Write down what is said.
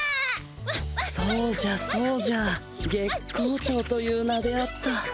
そうじゃそうじゃ月光町という名であった。